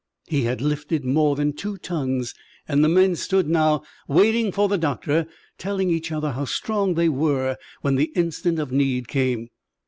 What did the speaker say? He had lifted more than two tons. And the men stood now, waiting for the doctor, telling each other how strong they were when the instant of need came.